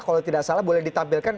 kalau tidak salah boleh ditampilkan